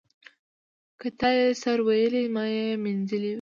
ـ که تا يې سر ويلى ما يې منځ ويلى.